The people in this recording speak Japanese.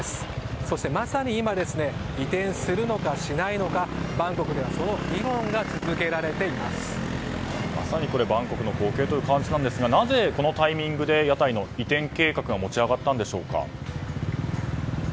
そしてまさに今移転するのか、しないのかバンコクではまさにバンコクの光景という感じなんですがなぜこのタイミングで屋台の移転計画が持ち上がったんでしょうか。